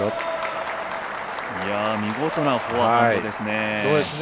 見事なフォアハンドですね。